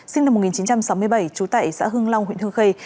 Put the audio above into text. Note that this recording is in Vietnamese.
sinh năm một nghìn chín trăm sáu mươi bảy trú tại xã hương long huyện hương khây